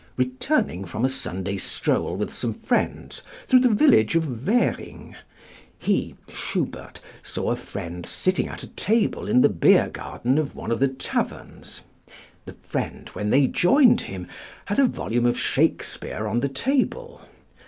"Returning from a Sunday stroll with some friends through the village of Währing, he (Schubert) saw a friend sitting at a table in the beer garden of one of the taverns. The friend, when they joined him, had a volume of Shakespeare on the table.